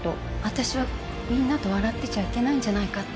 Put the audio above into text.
私はみんなと笑ってちゃいけないんじゃないかって。